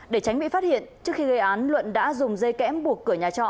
để tránh bị phát hiện trước khi gây án luận đã dùng dây kẽm buộc cửa nhà trọ